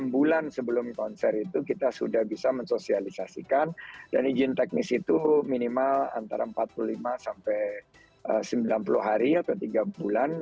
enam bulan sebelum konser itu kita sudah bisa mensosialisasikan dan izin teknis itu minimal antara empat puluh lima sampai sembilan puluh hari atau tiga bulan